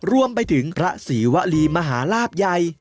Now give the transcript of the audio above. รวมไปถึงพระศรีวรีมหาลาบใหญ่